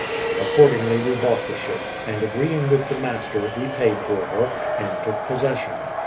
Accordingly, we bought the ship, and agreeing with the master, we paid for her, and took possession.